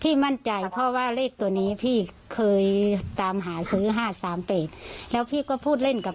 มั่นใจเพราะว่าเลขตัวนี้พี่เคยตามหาซื้อ๕๓๘แล้วพี่ก็พูดเล่นกับ